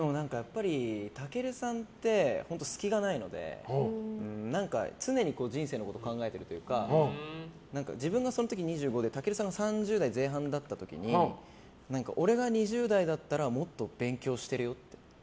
健さんって隙がないので常に人生のことを考えてるというか自分がそのとき２５で健さんが３０代前半だった時に俺が２０代だったらもっと勉強してるよって。